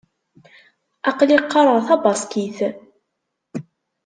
Aql-i qqareɣ tabaṣkit.